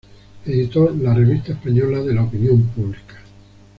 Editó la "Revista Española de la Opinión Pública".